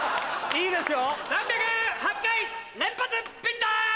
いいです！